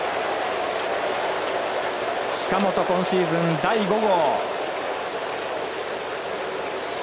近本、今シーズン第５号。